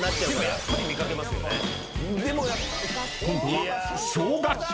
［今度は］